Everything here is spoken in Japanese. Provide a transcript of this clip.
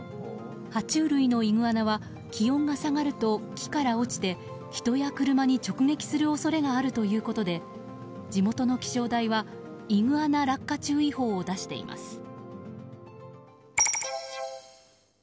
爬虫類のイグアナは気温が下がると木から落ちて人や車に直撃する恐れがあるということで地元の気象台はイグアナ落下注意報を出しています。